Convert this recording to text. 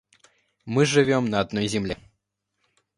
Мы живем на одной земле.